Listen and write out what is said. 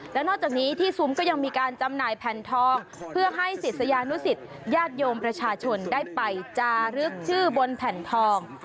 แล้วนอกจากนี้ที่ซุ้มก็ยังมีการจำหน่ายแผ่นทองเพื่อให้ศิษยานุสิตญาติโยมประชาชนได้ไปจารึกชื่อบนแผ่นทอง